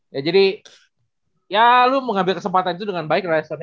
ya jadi ya lu mengambil kesempatan itu dengan baik rasanya